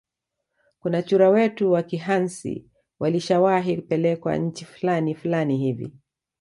Kuna chura wetu wa kihansi walishawahi pelekwa nchi flani flani hivi